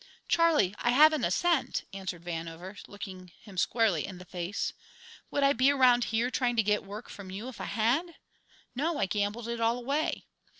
"Charlie, I haven't a cent!" answered Vandover, looking him squarely in the face. "Would I be around here and trying to get work from you if I had? No; I gambled it all away.